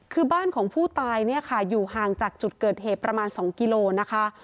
คือบ้านของผู้ตายเนี่ยค่ะอยู่ห่างจากจุดเกิดเหตุประมาณ๒กิโลนะคะ